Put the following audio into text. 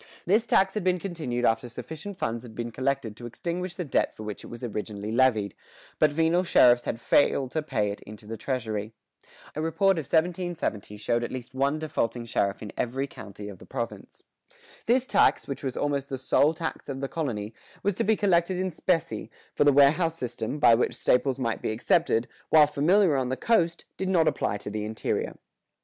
This tax had been continued after sufficient funds had been collected to extinguish the debt for which it was originally levied, but venal sheriffs had failed to pay it into the treasury. A report of 1770 showed at least one defaulting sheriff in every county of the province.[118:2] This tax, which was almost the sole tax of the colony, was to be collected in specie, for the warehouse system, by which staples might be accepted, while familiar on the coast, did not apply to the interior.